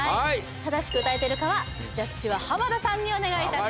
正しく歌えているかはジャッジは浜田さんにお願いいたします